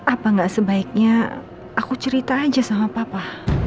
apa nggak sebaiknya aku cerita aja sama papa